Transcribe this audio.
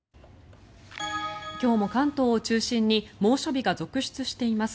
今日も関東を中心に猛暑日が続出しています。